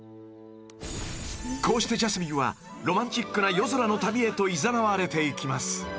［こうしてジャスミンはロマンチックな夜空の旅へといざなわれていきます］